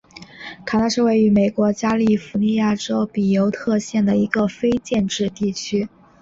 卡纳是位于美国加利福尼亚州比尤特县的一个非建制地区。